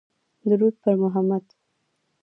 درود په محمدﷺ